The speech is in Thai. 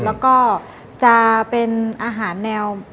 แล้วก็จะเป็นอาหารแนว